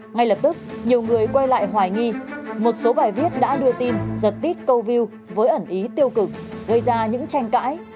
ngay lập tức nhiều người quay lại hoài nghi một số bài viết đã đưa tin giật tít câu view với ẩn ý tiêu cực gây ra những tranh cãi